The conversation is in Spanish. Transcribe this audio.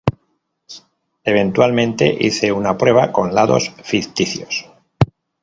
Eventualmente hice una prueba con lados ficticios.